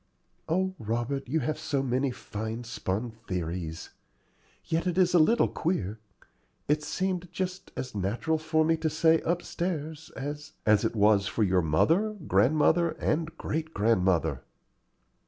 "O Robert, you have so many fine spun theories! Yet it is a little queer. It seemed just as natural for me to say upstairs as " "As it was for your mother, grandmother, and great grandmother."